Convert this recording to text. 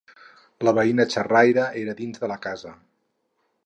La veïna xerraire era dins de la casa.